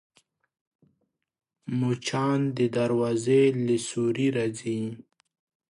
مچان د دروازې له سوري راځي